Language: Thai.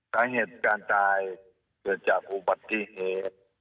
สาเหตุการตายเกิดจากอุบัติเหตุ